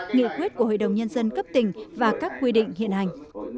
nghị quyết của hội đồng nhân dân cấp tỉnh và các quy định hiện hành